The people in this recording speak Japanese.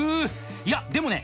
いやでもね